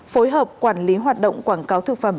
phối hợp quản lý hoạt động quảng cáo thực phẩm